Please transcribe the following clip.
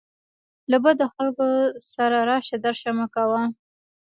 له بدو خلکو سره راشه درشه مه کوه.